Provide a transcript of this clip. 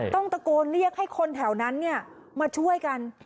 ต้องตะโกนเรียกให้คนแถวนั้นมาช่วยกัน